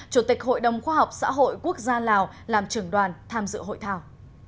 chủ tịch hội đồng khoa học xã hội quốc gia lào làm trưởng đoàn tham dự hội thảo